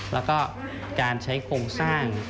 แล้วก็การใช้โครงสร้าง